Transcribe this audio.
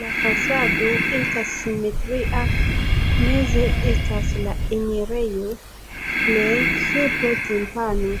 La fasado estas simetria, meze estas la enirejo, plej supre timpano.